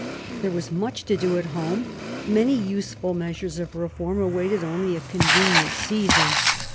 There was much to do at home ; many useful measures of reform awaited only a convenient season.